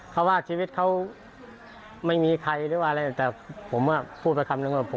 เขาว่าชีวิตเขาไม่มีใครหรือว่าอะไรแต่ผมพูดไปคำนึงว่า